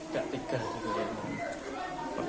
jadi tidak tega